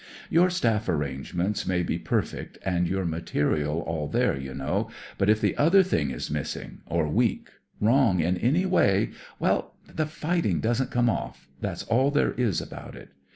" Your Staff arrangements may be per fect, and your material all there, you know, but if the other thing is missing, or weak, wrong in any way— well, the fighting doesn't come off ; that's all there is about it.